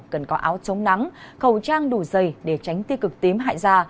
cần có áo chống nắng khẩu trang đủ dày để tránh tiêu cực tím hại da